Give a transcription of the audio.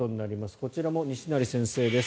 こちらも西成先生です。